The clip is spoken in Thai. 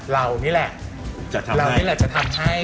เรานี่แหละเรานี่แหละจะทำให้